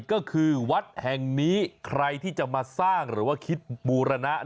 ก็คือวัดแห่งนี้ใครที่จะมาสร้างหรือว่าคิดบูรณะ